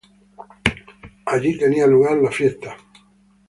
Allí tenía lugar la novena y la fiesta.